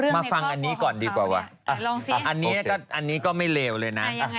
ฟังอันนี้ก่อนดีกว่าว่ะอันนี้ก็ไม่เลวเลยนะ